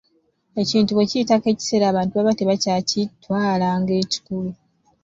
Ekintu bwe kiyitako ekiseera abantu baba tebakyakitwala ng’ekikulu.